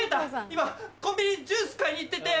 今コンビニにジュース買いに行ってて。